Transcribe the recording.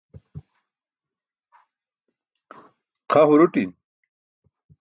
xa huruṭin